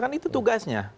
kan itu tugasnya